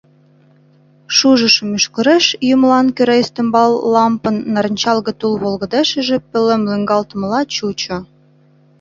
Шужышо мӱшкыреш йӱмылан кӧра ӱстембал лампын нарынчалге тул волгыдешыже пӧлем лӱҥгалтмыла чучо.